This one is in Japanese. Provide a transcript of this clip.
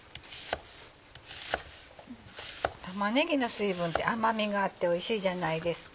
玉ねぎの水分って甘味があっておいしいじゃないですか。